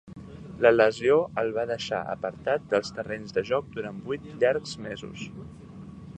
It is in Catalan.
La lesió el va deixar apartat dels terrenys de joc durant vuit llargs mesos.